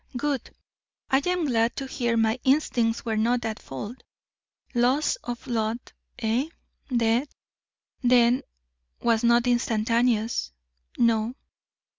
"Good! I am glad to hear my instincts were not at fault. Loss of blood, eh? Death, then, was not instantaneous?" "No."